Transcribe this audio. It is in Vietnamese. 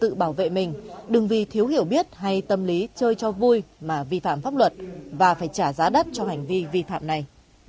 tự bảo vệ mình đừng vì thiếu hiểu biết hay tâm lý chơi cho vui mà vi phạm pháp luật và phải trả giá đất cho hành vi vi phạm này